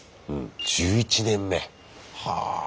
１１年目はあ。